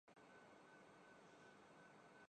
شرح فراق مدح لب مشکبو کریں